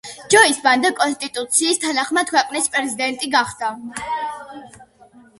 ჯოის ბანდა კონსტიტუციის თანახმად ქვეყნის პრეზიდენტი გახდა.